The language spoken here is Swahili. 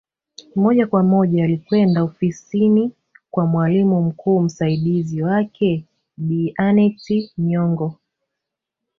Moja kwa moja alikwenda ofisini kwa mwalimu mkuu msaidizi wake Bi Aneth Nyongo